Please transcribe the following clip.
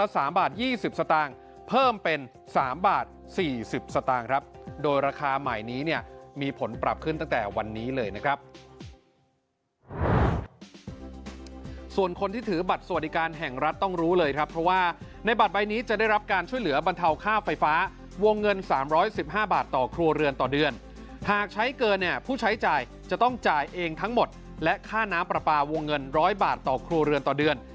๑๐สตางค์เพิ่มเป็น๓บาท๔๐สตางค์ครับโดยราคาใหม่นี้เนี่ยมีผลปรับขึ้นตั้งแต่วันนี้เลยนะครับส่วนคนที่ถือบัตรสวดิการแห่งรัฐต้องรู้เลยครับเพราะว่าในบัตรใบนี้จะได้รับการช่วยเหลือบรรเทาค่าไฟฟ้าวงเงิน๓๑๕บาทต่อครัวเรือนต่อเดือนหากใช้เกินเนี่ยผู้ใช้จ่ายจะต้องจ่ายเองทั้งหมดและค่าน